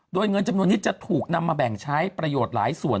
โดยเงินจำนวนนี้จะถูกนำมาแบ่งใช้ประโยชน์หลายส่วน